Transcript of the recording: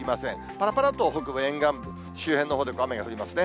ぱらぱらと北部、沿岸部、周辺のほうで雨が降りますね。